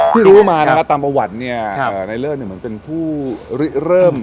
ที่รู้มานะคะตามประวัติเนี่ยนายเลิศเนี่ยเหมือนเป็นผู้เริ่ม